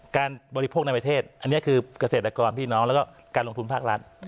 บริโภคในประเทศอันนี้คือเกษตรกรพี่น้องแล้วก็การลงทุนภาครัฐ